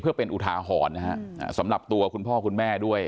เพื่อเป็นอุทาหรณ์นะฮะสำหรับตัวคุณพ่อคุณแม่ด้วย